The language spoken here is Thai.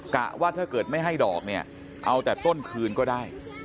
กะว่าถ้าเกิดไม่ให้ดอกเนี่ยเอาแต่ต้นคืนก็ได้